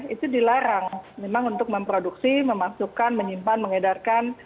itu dilarang memang untuk memproduksi memasukkan menyimpan mengedarkan